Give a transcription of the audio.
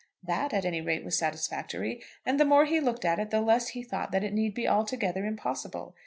That, at any rate, was satisfactory. And the more he looked at it the less he thought that it need be altogether impossible.